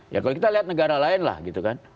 ya kalau kita lihat negara lain lah gitu kan